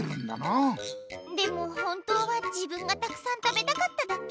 でも本当は自分がたくさん食べたかっただけ。